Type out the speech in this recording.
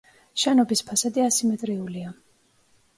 შენობის ფასადი ასიმეტრიულია.